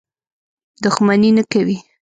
دښمني نه کوي.